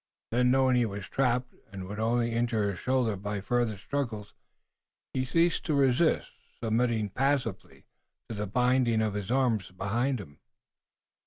Then, knowing he was trapped and would only injure his shoulder by further struggles, he ceased to resist, submitting passively to the binding of his arms behind him.